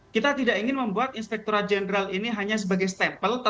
kita tidak ingin membuat inspektora jenderal hanya sebagai sampel